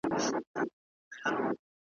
ای نامرده! دغه مرد زما اتل دئ